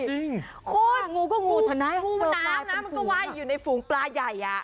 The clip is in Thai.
จริงคุณงูเรียกว่างูน้ำมันไว้ในฝูงปลาใหญ่